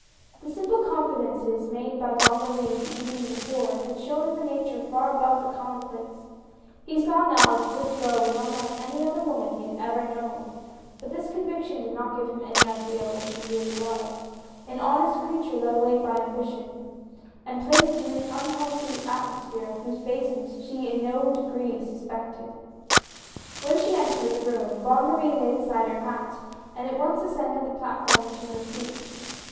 The simple confidences made by Bonne Marie the evening before, had shown him a nature far above the common place ; he saw now that this girl was unlike any other woman he had ever known — but this conviction did not give him any idea of what she really was — an honest creature led away by ambi tion, and placed in an unhealthy atmosphere whose baseness she in no degree suspected. When she entered the room, Bonne Marie laid aside her hat, and at once ascended the platform and took her seat.